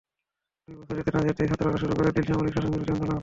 দুই বছর যেতে না-যেতেই ছাত্ররা শুরু করে দিল সামরিক শাসনবিরোধী আন্দোলন।